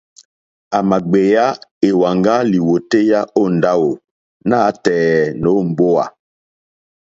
À mà gbèyá èwàŋgá lìwòtéyá ó ndáwò nǎtɛ̀ɛ̀ nǒ mbówà.